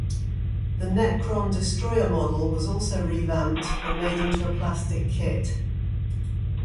The Necron Destroyer model was also revamped and made into a plastic kit.